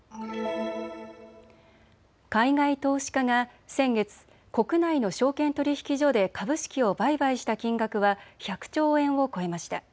海外投資家が先月、国内の証券取引所で株式を売買した金額は１００兆円を超えました。